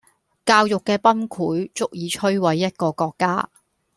教育既崩潰足以摧毀一個國家